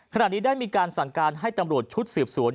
ขณะนี้ได้มีการสั่งการให้ตำรวจชุดสืบสวน